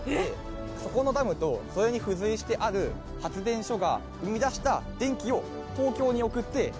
そこのダムとそれに付随してある発電所が生み出した電気を。